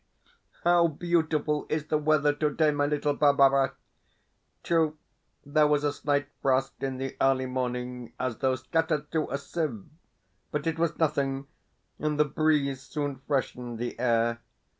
How beautiful is the weather today, my little Barbara! True, there was a slight frost in the early morning, as though scattered through a sieve, but it was nothing, and the breeze soon freshened the air.